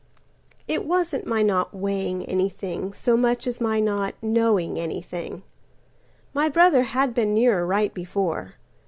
It wasn't my not weighing anythingSo much as my not knowing anything—My brother had been nearer right before.